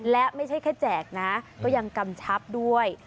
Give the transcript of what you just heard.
และไม่ใช่แค่แจกนะก็ยังกำชับด้วย